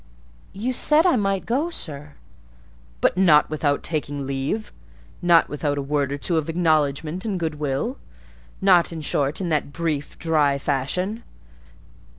"You said I might go, sir." "But not without taking leave; not without a word or two of acknowledgment and good will: not, in short, in that brief, dry fashion.